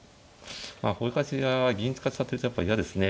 まあこういう形は銀使っちゃってるうちはやっぱ嫌ですね。